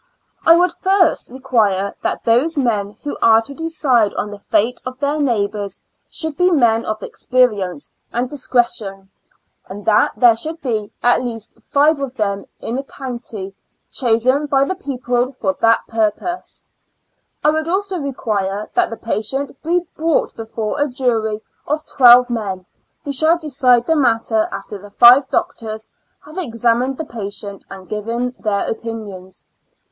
I would first require that those men who are to decide on the fate of their neio hbors should be men of experience and discretion, and that there should be at least ^yq of IN A L UNA TIC ASYLUII. 35 them in a county, chosen by the people for that purpose ; I would also require that the patient be brought before a jury of twelve men, who shall decide the matter after the ^YQ doctors have examined the patient and given their opinions.